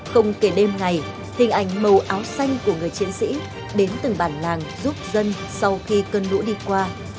không kể đêm ngày hình ảnh màu áo xanh của người chiến sĩ đến từng bản làng giúp dân sau khi cơn lũ đi qua